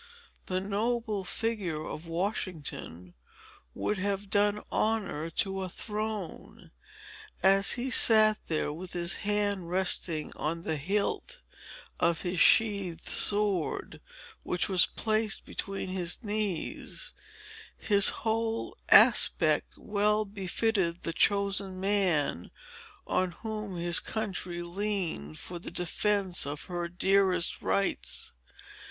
The noble figure of Washington would have done honor to a throne. As he sat there, with his hand resting on the hilt of his sheathed sword, which was placed between his knees, his whole aspect well befitted the chosen man on whom his country leaned for the defence of her dearest rights.